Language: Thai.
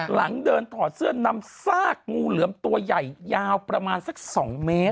หลังเดินถอดเสื้อนำซากงูเหลือมตัวใหญ่ยาวประมาณสัก๒เมตร